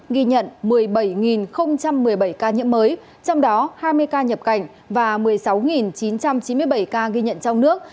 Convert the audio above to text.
ghi nhận một mươi bảy một mươi bảy ca nhiễm mới trong đó hai mươi ca nhập cảnh và một mươi sáu chín trăm chín mươi bảy ca ghi nhận trong nước